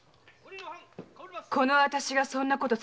このあたしがそんなことさせやしない。